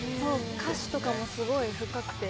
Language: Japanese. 歌詞とかもすごい深くて。